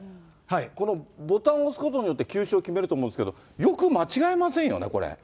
このボタンを押すことによって、球種を決めると思うんですけど、よく間違えませんよね、これ。